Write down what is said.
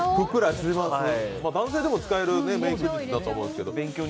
男性でも使えるメークだと思いますけど。